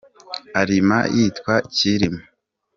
arima yitwa Cyilima.